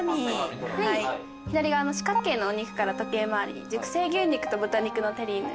左側の四角形のお肉から時計回りに熟成牛肉と豚肉のテリーヌ。